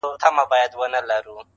راته يادېږې شپه كړم څنگه تېره,